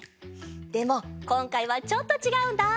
でもこんかいはちょっとちがうんだ！